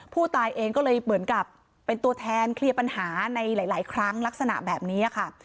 ผู้ตายเองก็เลยเหมือนกับเป็นตัวแทนเคลียร์ปัญหาในหลายครั้งลักษณะแบบนี้ค่ะ